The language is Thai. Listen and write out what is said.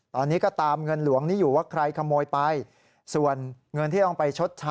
ตอนนี้ก็ตามเงินหลวงนี้อยู่ว่าใครขโมยไป